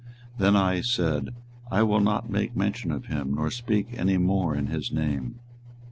24:020:009 Then I said, I will not make mention of him, nor speak any more in his name.